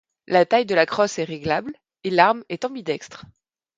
La taille de la crosse est réglable et l’arme est ambidextre.